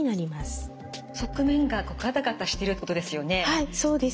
はいそうです。